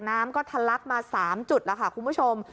น้ำก็ทะลักมา๓จุดแล้วค่ะคุณผู้ชม